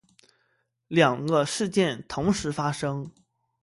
两个事件同时发生